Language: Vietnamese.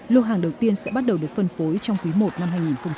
lô hàng đầu tiên sẽ bắt đầu được phân phối trong quý i năm hai nghìn hai mươi